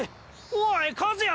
おい和也！